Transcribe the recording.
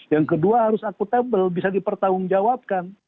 yang kedua harus akutabel bisa dipertanggungjawabkan